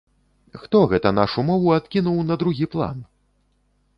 Хто гэта нашу мову адкінуў на другі план?